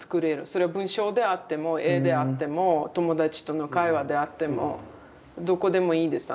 それは文章であっても絵であっても友達との会話であってもどこでもいいです。